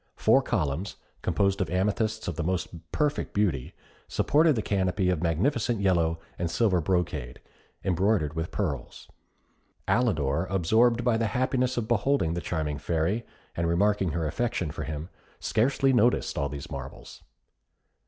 Four columns, composed of amethysts of the most perfect beauty, supported a canopy of magnificent yellow and silver brocade, embroidered with pearls. Alidor, absorbed by the happiness of beholding the charming Fairy, and remarking her affection for him, scarcely noticed all these marvels.